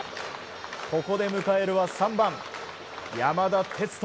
ここで迎えるは３番、山田哲人。